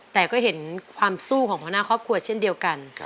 แต่ก็เห็นความสู้ของหัวหน้าครอบครัวเช่นเดียวกัน